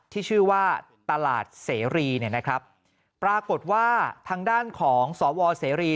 ที่ชื่อว่าตลาดเสรีเนี่ยนะครับปรากฏว่าทางด้านของสวเสรี